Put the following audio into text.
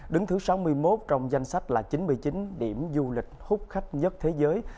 đứng thứ sáu mươi một trong danh sách là chín mươi chín điểm du lịch hút khách nhất thế giới